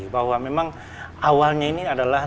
bahwa memang awalnya ini adalah